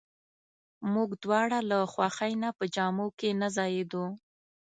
موږ دواړه له خوښۍ نه په جامو کې نه ځایېدو.